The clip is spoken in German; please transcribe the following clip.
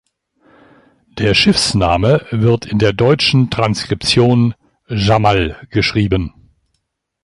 Der Schiffsname wird in der deutschen Transkription "Jamal" geschrieben.